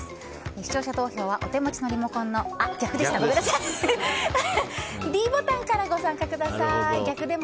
視聴者投票はお手持ちのリモコンのｄボタンからご参加ください。